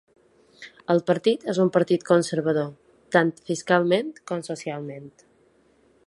El partit és un partit conservador, tant fiscalment com socialment.